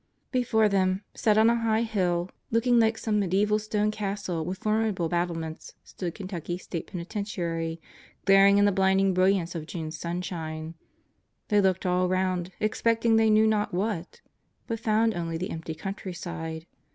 Before them, set on a high hill, looking like some medieval stone castle with formidable battlements, stood Kentucky's State Penitentiary, glaring in the blinding brilliance of June's sunshine. They looked all around, expecting they knew not what, but found only the empty countryside.